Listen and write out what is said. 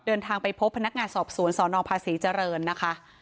เดินทางไปพบพนักงานสอบสวนสนภาษีเจริญนะคะ